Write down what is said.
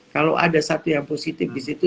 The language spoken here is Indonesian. kalau ada satu yang positif di situ